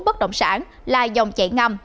bất động sản là dòng chạy ngầm